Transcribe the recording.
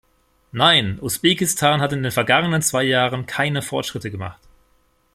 Nein, Usbekistan hat in den vergangenen zwei Jahren keine Fortschritte gemacht.